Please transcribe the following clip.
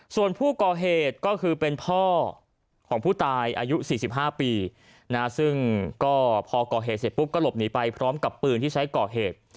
ส่วนผู้ก่อเหตุก็คือเป็นพ่อของผู้ตายอายุ๔๕ปีซึ่งก็พอก่อเหตุเสร็จปุ๊บก็หลบหนีไปพร้อมกับปืนที่ใช้ก่อเหตุ